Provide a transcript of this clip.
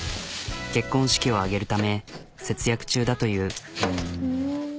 結婚式を挙げるため節約中だという。